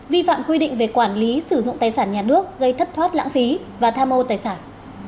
vi phạm quy định về quản lý sử dụng tài sản nhà nước gây thất thoát lãng phí và tham ô tài sản